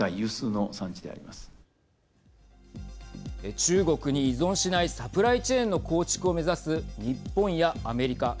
中国に依存しないサプライチェーンの構築を目指す日本やアメリカ。